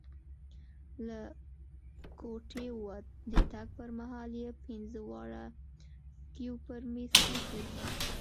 له کوټې ووت، د تګ پر مهال یې پینځه واړه سکوې پر میز کښېښودې.